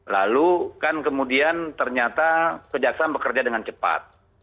lalu kan kemudian ternyata kejaksaan bekerja dengan cepat